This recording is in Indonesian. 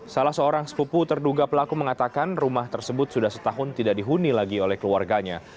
salah seorang sepupu terduga pelaku mengatakan rumah tersebut sudah setahun tidak dihuni lagi oleh keluarganya